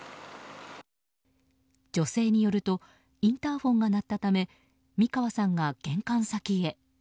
女性によるとインターホンが鳴ったため三川さんが玄関先へ。